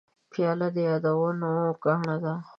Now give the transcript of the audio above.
پیاله د یادونو ګاڼه ده.